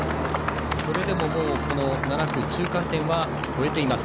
それでも、もう７区中間点は越えています。